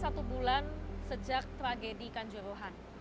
satu bulan sejak tragedi kanjuruhan